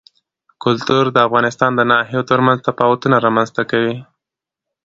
کلتور د افغانستان د ناحیو ترمنځ تفاوتونه رامنځ ته کوي.